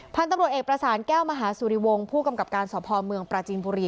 พันธุ์ตำรวจเอกประสานแก้วมหาสุริวงศ์ผู้กำกับการสพเมืองปราจีนบุรี